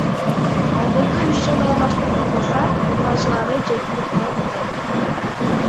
Айгырды үч жылда алмаштырып турбаса, ургаачылары жетилип калат да.